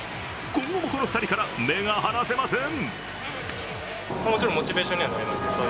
今後も、この２人から目が離せません。